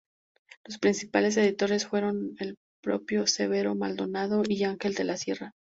Los principales editores fueron el propio Severo Maldonado y Ángel de la Sierra.